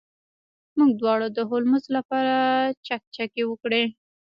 موږ دواړو د هولمز لپاره چکچکې وکړې.